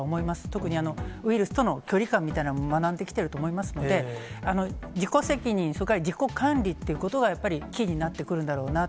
特に、ウイルスとの距離感みたいなもの、学んできていると思いますので、自己責任、それから自己管理ということがやっぱりキーになってくるんだろうな。